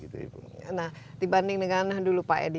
nah dibanding dengan dulu pak edi